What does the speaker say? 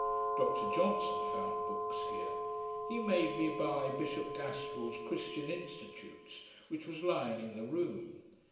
Dr Johnson found books here. He bade me buy Bishop Gastrell's Christian Institutes, which was lying in the room.